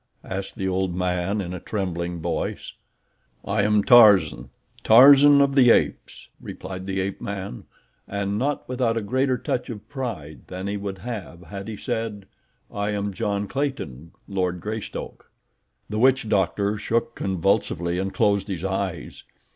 asked the old man in a trembling voice. "I am Tarzan—Tarzan of the Apes," replied the ape man and not without a greater touch of pride than he would have said, "I am John Clayton, Lord Greystoke." The witch doctor shook convulsively and closed his eyes.